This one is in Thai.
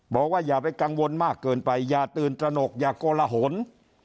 อย่าไปกังวลมากเกินไปอย่าตื่นตระหนกอย่าโกละหน